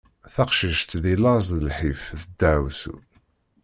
Taqcict deg laẓ d lḥif d ddaɛwessu.